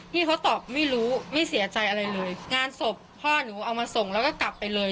พี่เขาตอบไม่รู้ไม่เสียใจอะไรเลยงานศพพ่อหนูเอามาส่งแล้วก็กลับไปเลย